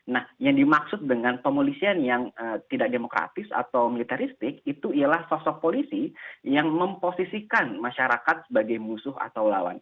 nah yang dimaksud dengan pemolisian yang tidak demokratis atau militaristik itu ialah sosok polisi yang memposisikan masyarakat sebagai musuh atau lawan